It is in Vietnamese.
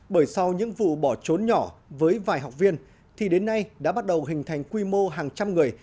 bởi sau những vụ bỏ trốn nhỏ với vài học viên thì đến nay đã bắt đầu hình thành quy mô hàng trăm người